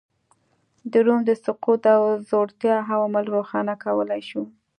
د روم د سقوط او ځوړتیا عوامل روښانه کولای شو